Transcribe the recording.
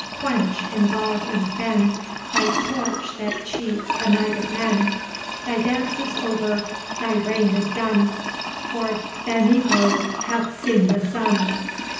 quench, in bog and fen, Thy torch that cheats benighted men; Thy dance is o'er, thy reign is done, For Benyieglo hath seen the sun.